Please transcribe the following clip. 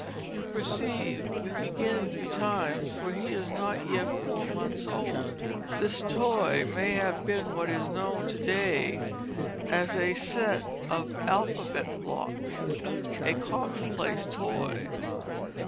You perceive we begin betimes for he is not yet four months old." This toy may have been what is known to day as a set of alphabet blocks, a commonplace toy.